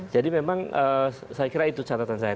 jadi memang saya kira itu catatan saya